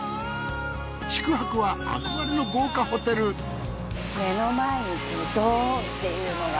宿泊は憧れの豪華ホテル目の前にどんというのが。